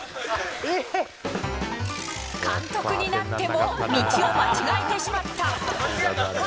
監督になっても道を間違えてしまった。